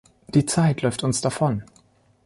Die Zeit läuft uns davon.